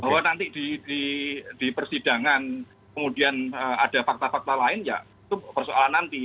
bahwa nanti di persidangan kemudian ada fakta fakta lain ya itu persoalan nanti